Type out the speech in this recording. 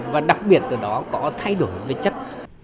và đặc biệt ở đó có thay đổi về chất